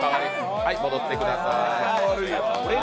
戻ってください。